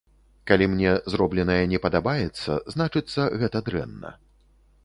Калі мне зробленае не падабаецца, значыцца, гэта дрэнна.